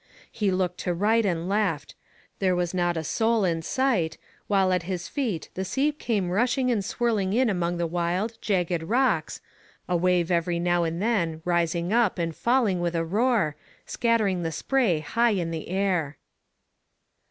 He looked to right and left ; there was not a soul in sight, while at his feet the sea came rushing and swirling in amid the wild, jagged rocks, a wave every now and then rising up and falling with a roar, scattering the spray high in air.